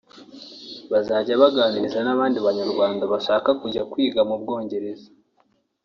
bazajya baganiriza n’abandi Banyarwanda bashaka kujya kwiga mu Bwongereza